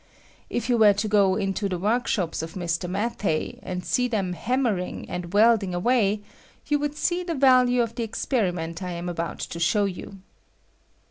If you were to go into the workshops of Mr. Matthey, and see them hammering and welding away, you would see the value of the experiment I am about to show you.